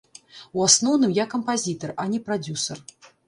У асноўным я кампазітар, а не прадзюсар.